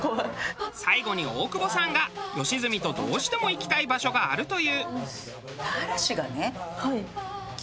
最後に大久保さんが吉住とどうしても行きたい場所があるという。